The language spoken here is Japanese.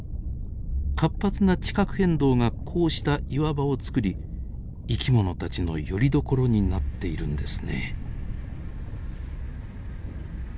活発な地殻変動がこうした岩場をつくり生き物たちのよりどころになっているんですね。